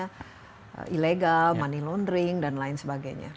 karena ilegal money laundering dan lain sebagainya